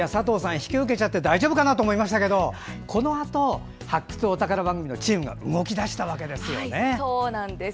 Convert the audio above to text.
引き受けちゃって大丈夫かなと思いましたけどこのあと「発掘！お宝番組」のチームがそうなんです。